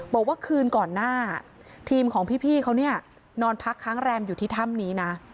บอกว่าคืนก่อนหน้าทีมของพี่เขาเนี่ยนอนพักค้างแรมอยู่ที่ถ้ำนี้นะ